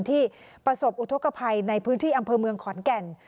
ที่ประสบอุทธกภัยในพื้นที่อำเภอเมืองขอนแก่น